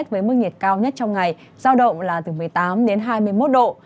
với mức nhiệt cao nhất trong ngày giao động là từ một mươi tám đến hai mươi một độ